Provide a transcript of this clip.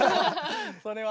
それは。